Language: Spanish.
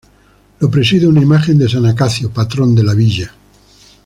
Lo preside una imagen de San Acacio, patrón de la villa.